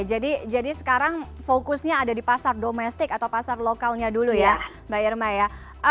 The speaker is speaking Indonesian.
jadi sekarang fokusnya ada di pasar domestik atau pasar lokalnya dulu ya mbak irma ya